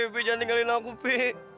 pi jangan tinggalin aku pi